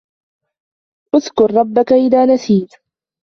اذْكُر رَّبَّكَ إِذَا نَسِيتَ.